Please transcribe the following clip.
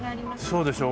そうでしょ？